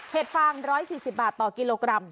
ฟาง๑๔๐บาทต่อกิโลกรัม